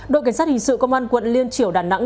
đội cảnh sát hình sự công an quận liên triểu đà nẵng